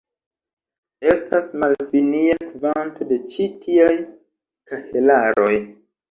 Estas malfinia kvanto de ĉi tiaj kahelaroj.